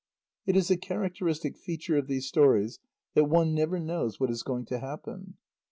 It is a characteristic feature of these stories that one never knows what is going to happen.